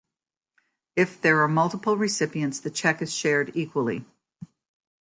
If there are multiple recipients, the cheque is shared equally.